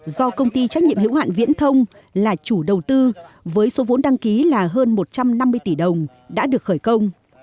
do công ty trách nhiệm hữu hạn viễn thông là chủ đầu tư với số vốn đăng ký là hơn một trăm năm mươi tỷ đồng đã được khởi công